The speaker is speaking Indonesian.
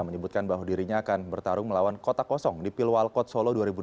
menyebutkan bahwa dirinya akan bertarung melawan kota kosong di pilwal kot solo dua ribu delapan belas